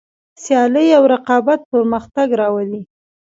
سیالي او رقابت پرمختګ راولي.